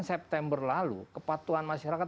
september lalu kepatuhan masyarakat